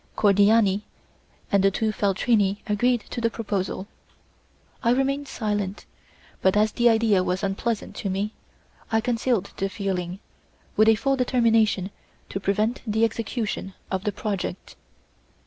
Cordiani and the two Feltrini agreed to the proposal; I remained silent, but as the idea was unpleasant to me, I concealed the feeling, with a full determination to prevent the execution of the project.